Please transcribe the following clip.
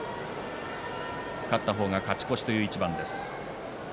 勝った方が勝ち越しという一番です。